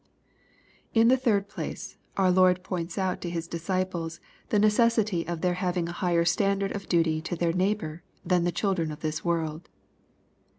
In the third place, our Lord points out to His disciples the necessity of their having a higher standard of duty to their neighbor than the children of this world.